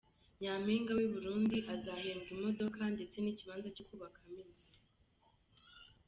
Nyampinga w’ i Burundi azahembwa Imodoka ndetse n’ ikibanza cyo kubakamo inzu .